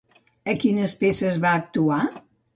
A quines peces va actuar?